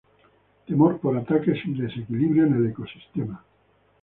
Temor por ataques y desequilibrio en el ecosistema.